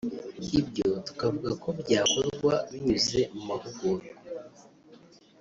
Ibyo tukavuga ko byakorwa binyuze mu mahugurwa